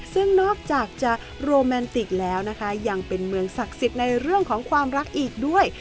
ซึ่งนอกจากจะโรแมนติกแล้วนะคะยังเป็นเมืองศักดิ์สิทธิ์ในเรื่องของความรักอีกด้วย